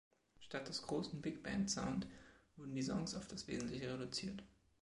Statt des großen „Big Band Sound“ wurden die Songs auf das Wesentliche reduziert.